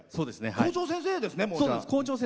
校長先生ですね、じゃあ。